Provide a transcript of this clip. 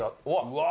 うわ！